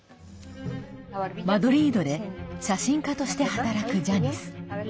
マドリードで写真家として働くジャニス。